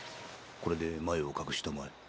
これで前を隠したまえ。